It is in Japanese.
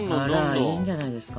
あらいいんじゃないですか？